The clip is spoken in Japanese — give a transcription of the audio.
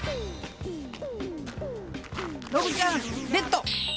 のぶちゃんレッド！